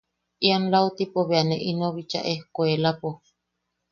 Ian lautipo bea ne ino bicha ejkuelapo.